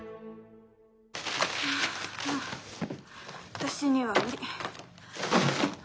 ああ私には無理。